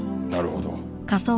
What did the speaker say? なるほど。